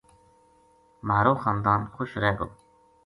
مھارو خاندان خوش رہ گو